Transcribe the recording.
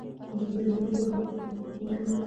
ازادي راډیو د سوله لپاره عامه پوهاوي لوړ کړی.